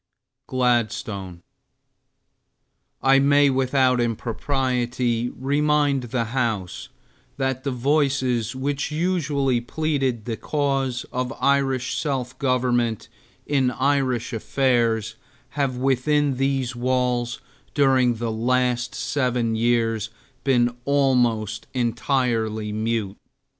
GLADSTONE I may without impropriety remind the House that the voices which usually pleaded the cause of Irish self government in Irish affairs have within these walls during the last seven years been almost entirely mute.